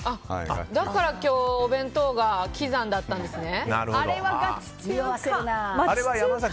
だから今日お弁当が喜山だったんですね。